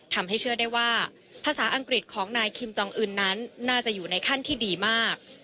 ทำให้เชื่อได้ว่าภาษาอังกฤษของนายคิมจองอื่นนั้นน่าจะอยู่ในขั้นที่ดีมาก